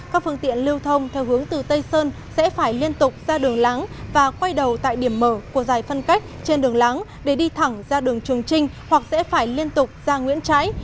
các phương tiện lưu thông theo hướng từ tây sơn sẽ phải liên tục ra đường láng và quay đầu tại điểm mở của dài phân cách trên đường láng để đi thẳng ra đường trường trinh hoặc sẽ phải liên tục ra nguyễn trãi